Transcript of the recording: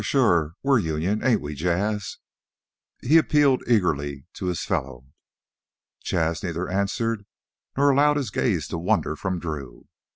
Shore! We's Union, ain't we, Jas'?" he appealed eagerly to his fellow. Jas' neither answered nor allowed his gaze to wander from Drew.